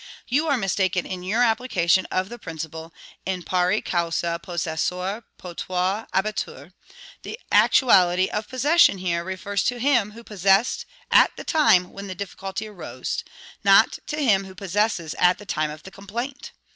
You are mistaken in your application of the principle, In pari causa possessor potior habetur: the actuality of possession here refers to him who possessed at the time when the difficulty arose, not to him who possesses at the time of the complaint.